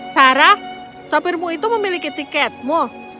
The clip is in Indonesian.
sarah sopirmu itu memiliki tiketmu